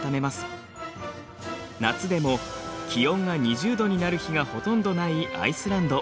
夏でも気温が２０度になる日がほとんどないアイスランド。